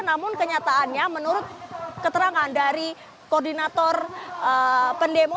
namun kenyataannya menurut keterangan dari koordinator pendemo